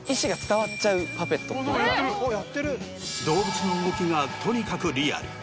動物の動きがとにかくリアル。